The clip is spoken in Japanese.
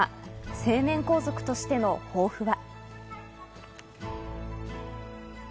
成年皇族としての抱負は。